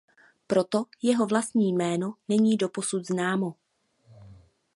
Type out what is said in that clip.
Proto jeho vlastní jméno není doposud známo.